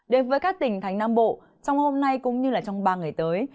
đến với các tỉnh thành nam bộ trong hôm nay cũng như trong ba ngày tới